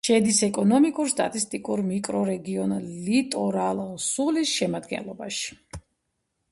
შედის ეკონომიკურ-სტატისტიკურ მიკრორეგიონ ლიტორალ-სულის შემადგენლობაში.